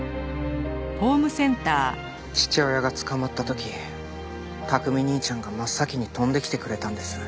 父親が捕まった時琢己兄ちゃんが真っ先に飛んできてくれたんです。